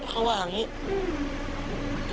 เขาว่ากันเนี้ย